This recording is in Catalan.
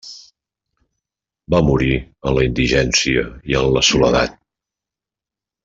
Va morir en la indigència i en la soledat.